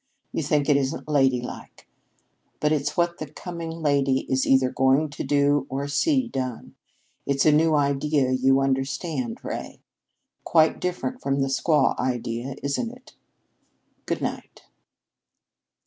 You think it isn't ladylike. But it's what the coming lady is either going to do or see done. It's a new idea, you understand, Ray. Quite different from the squaw idea, isn't it? Good night!"